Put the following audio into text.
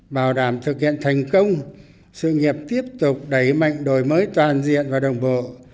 bảo đảm thực hiện thành công sự nghiệp tiếp tục đẩy mạnh đổi mới toàn diện và đồng bộ